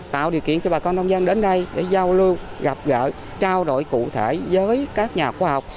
tạo điều kiện cho bà con nông dân đến đây để giao lưu gặp gỡ trao đổi cụ thể với các nhà khoa học